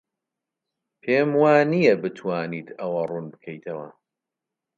پێم وانییە بتوانیت ئەوە ڕوون بکەیتەوە.